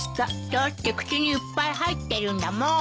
だって口にいっぱい入ってるんだもん。